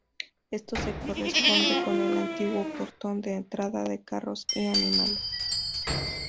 Esto se corresponde con el antiguo portón de entrada de carros y animales.